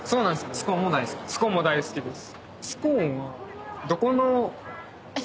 スコーンも大好きです。